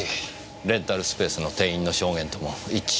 レンタルスペースの店員の証言とも一致します。